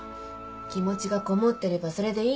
気持ちがこもってればそれでいいの。